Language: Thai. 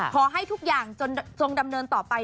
ขอให้ทุกอย่างจงดำเนินต่อไป